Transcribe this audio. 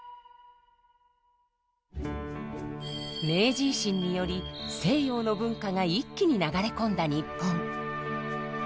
明治維新により西洋の文化が一気に流れ込んだ日本。